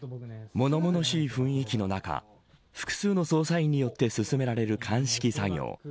物々しい雰囲気の中複数の捜査員によって進められる鑑識作業。